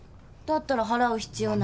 だったら払う必要ない。